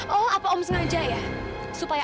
oh apa om sengaja mencuri anaknya